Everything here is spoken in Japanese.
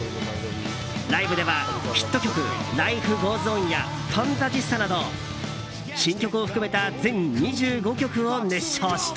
ライブではヒット曲「Ｌｉｆｅｇｏｅｓｏｎ」や「Ｆａｎｔａｓｉｓｔａ」など新曲を含めた全２５曲を熱唱した。